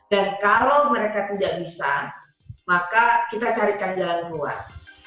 dan kalau mereka tidak bisa maka kita carikan jalan keluar